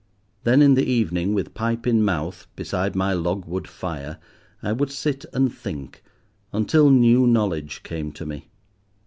Then in the evening, with pipe in mouth, beside my log wood fire, I would sit and think, until new knowledge came to me.